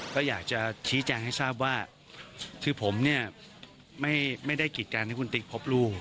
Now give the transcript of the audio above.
ก็อยากจะชี้แจงให้ทราบว่าคือผมเนี่ยไม่ได้กิจการให้คุณติ๊กพบลูก